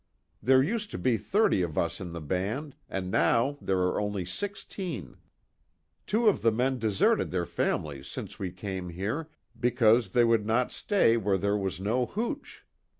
There used to be thirty of us in the band, and now there are only sixteen. Two of the men deserted their families since we came here, because they would not stay where there was no hooch."